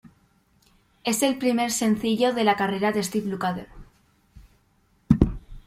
Es el primer sencillo de la carrera de Steve Lukather.